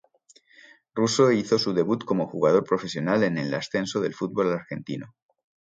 Russo hizo su debut como jugador profesional en el ascenso del fútbol argentino.